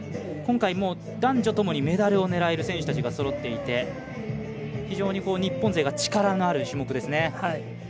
今回、男女ともにメダルを狙える選手たちがそろっていて非常に日本勢が力のある種目ですね。